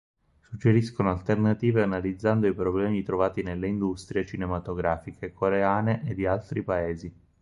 Suggeriscono alternative analizzando i problemi trovati nelle industrie cinematografiche coreane e di altri paesi.